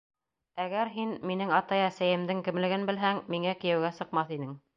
Әгәр һин минең атай-әсәйемдең кемлеген белһәң, миңә кейәүгә сыҡмаҫ инең!